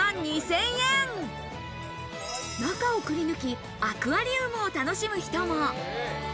中をくり抜き、アクアリウムを楽しむ人も。